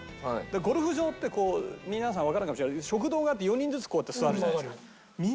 ゴルフ場ってこう皆さんわからないかもしれないけど食堂があって４人ずつこうやって座るじゃないですか。